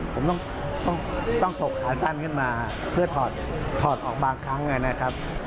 ผมต้องตกขาสั้นขึ้นมาเพื่อถอดออกบางครั้งนะครับ